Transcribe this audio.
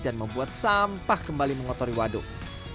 dan membuat sampah kembali mengotori waduk